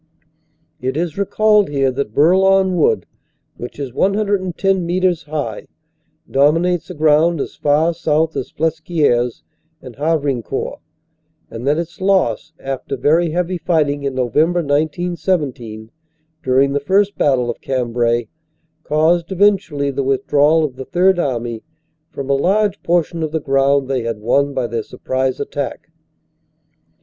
"It is recalled here that Bourlon Wood, which is 1 10 metres high, dominates the ground as far south as Flesquieres and Havrincourt; and that its loss after very heavy fighting in Nov., 1917, during the first battle of Cambrai, caused eventu ally the withdrawal of the Third Army from a large portion of the ground they had won by their surprise attack.